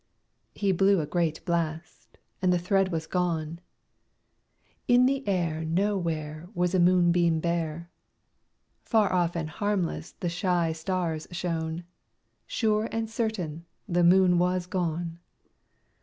He blew a great blast, and the thread was gone; In the air Nowhere Was a moonbeam bare; Far off and harmless the shy stars shone; Sure and certain the Moon was gone.